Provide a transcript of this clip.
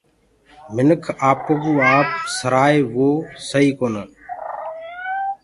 منک آپو ڪوُ آپ سَرآئي وو سئي ڪونآ۔